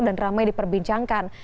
dan ramai diperbincangkan